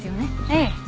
ええ。